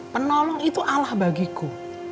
penolong itu allah bagiku